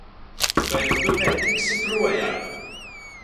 Bet tu netiksi projām!